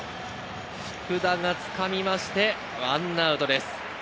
福田がつかみました、１アウトです。